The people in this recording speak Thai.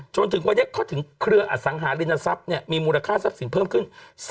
จนถึงวันนี้เขาถึงเครืออสังหารินทรัพย์มีมูลค่าทรัพย์สินเพิ่มขึ้น